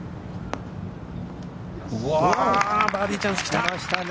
バーディーチャンス来た。来ましたね。